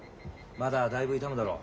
まだだいぶ痛むだろ？